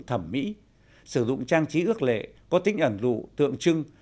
xu hướng thẩm mỹ sử dụng trang trí ước lệ có tính ẩn rụ tượng trưng